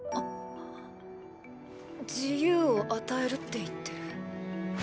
自由を与えるって言ってる。